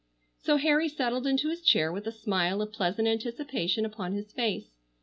So Harry settled into his chair with a smile of pleasant anticipation upon his face.